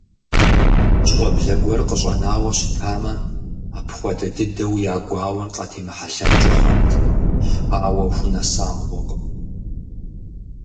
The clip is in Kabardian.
ЩӀэблэ гуэр къыщӀэнауэ щытамэ, апхуэдэ дыдэу я гуауэр къатемыхьэлъэнкӀи хъунт, ауэ хунэса мыгъуэкъым…